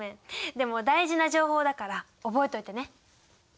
でも大事な情報だから覚えておいてね！